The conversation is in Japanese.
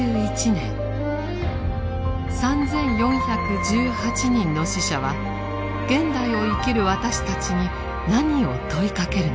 ３４１８人の死者は現代を生きる私たちに何を問いかけるのか。